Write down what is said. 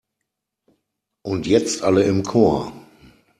Und jetzt alle im Chor!